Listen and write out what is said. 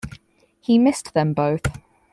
He missed them both.